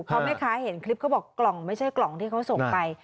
เพราะแม่ค้าเห็นคลิปเขาบอกกล่องไม่ใช่กล่องที่เขาส่งไป